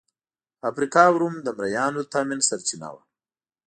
افریقا او روم د مریانو د تامین سرچینه وه.